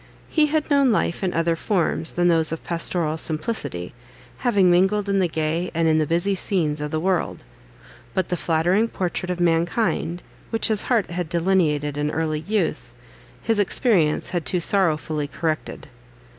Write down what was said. He had known life in other forms than those of pastoral simplicity, having mingled in the gay and in the busy scenes of the world; but the flattering portrait of mankind, which his heart had delineated in early youth, his experience had too sorrowfully corrected.